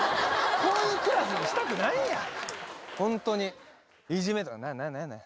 こういうクラスにしたくないんやホントにイジメとか何や何や？